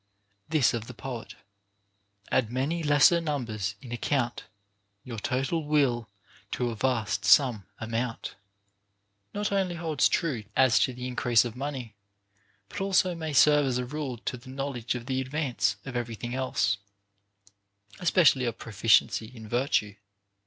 This of the poet, Add many lesser numbers in account, Your total will to a vast sum amount,* not only holds true as to the increase of money, but also may serve as a rule to the knowledge of the advance of every thing else, especially of proficiency in virtue.